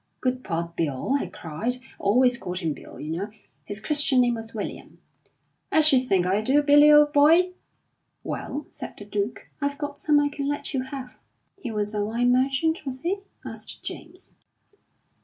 'Good port, Bill!' I cried I always called him Bill, you know; his Christian name was William 'I should think I do, Billy, old boy.' 'Well,' said the Duke, 'I've got some I can let you have.'" "He was a wine merchant, was he?" asked James.